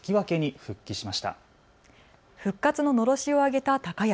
復活ののろしを上げた高安。